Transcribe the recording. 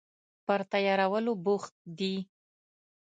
پر تیارولو بوخت دي